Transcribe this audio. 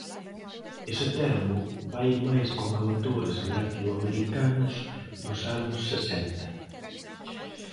Ese termo vai máis con autores latinoamericanos dos anos sesenta.